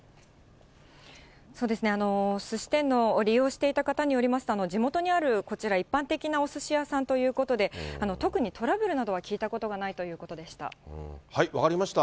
そうですね、すし店を利用していた方によりますと、地元にあるこちら一般的なおすし屋さんということで、特にトラブルなどは聞いたことがない分かりました。